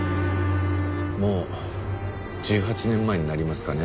もう１８年前になりますかね